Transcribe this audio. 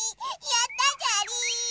やったじゃりー。